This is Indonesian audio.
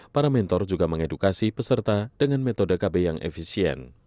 para mentor juga mengedukasi peserta dengan metode kb yang efisien